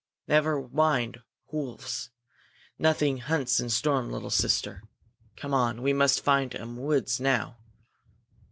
"Never mind hwolves; nothing hunts in storm, little sister. Come on, we must find um woods now."